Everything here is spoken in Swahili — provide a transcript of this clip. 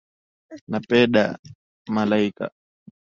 Napenda malaika.